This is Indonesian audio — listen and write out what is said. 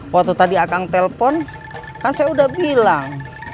waktu tadi akang telpon kan saya udah bilang